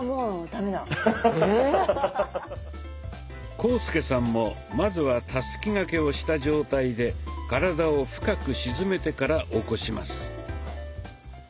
⁉浩介さんもまずはたすき掛けをした状態で体を深く沈めてから起こします。